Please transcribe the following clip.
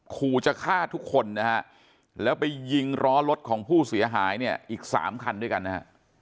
ขู่จะฆ่าทุกคนนะฮะแล้วไปยิงล้อรถของผู้เสียหายเนี่ยอีก๓คันด้วยกันนะฮะ